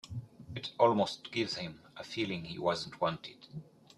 It almost gives him a feeling he wasn't wanted.